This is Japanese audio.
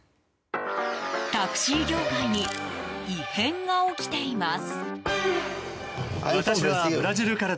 タクシー業界に異変が起きています。